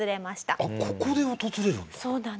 あっここで訪れるんだ？